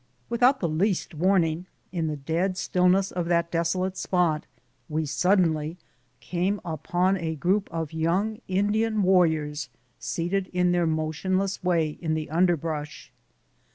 Without the least warning, in the dead stilhiess of that desolate spot, we suddenly came upon a group of young Indian warriors seated in their motionless way in the underbrush.